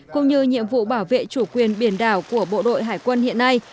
cũng như nhiệm vụ bảo vệ chủ quyền biển đảo của bộ đội hải quân hiện nay